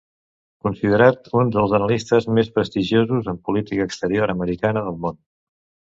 Considerat un dels analistes més prestigiosos en política exterior americana del món.